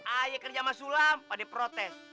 ayah kerja sama sulam pada protes